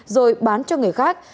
rồi bán cho người khác